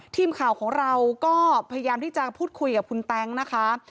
ทีมข่าวของเราก็พยายามที่จะพูดคุยกับคุณแต๊งนะคะ